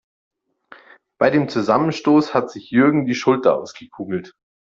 Bei dem Zusammenstoß hat sich Jürgen die Schulter ausgekugelt.